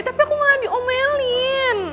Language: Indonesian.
tapi aku malah diomelin